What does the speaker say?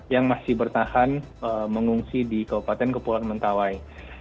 yang masih bertahan mengungsi di kabupaten kepulauan mentawai